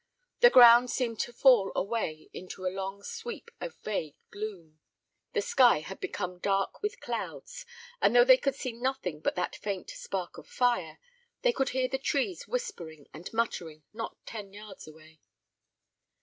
The ground seemed to fall away into a long sweep of vague gloom. The sky had become dark with clouds, and though they could see nothing but that faint spark of fire, they could hear the trees whispering and muttering not ten yards away.